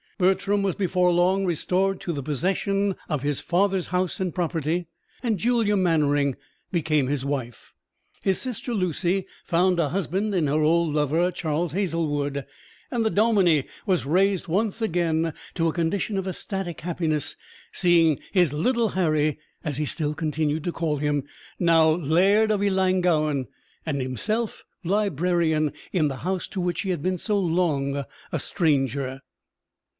Bertram was before long restored to the possession of his father's house and property, and Julia Mannering became his wife. His sister Lucy found a husband in her old lover Charles Hazlewood, and the dominie was raised once again to a condition of ecstatic happiness, seeing "his little Harry" as he still continued to call him now Laird of Ellangowan, and himself librarian in the house to which he had been so long a stranger.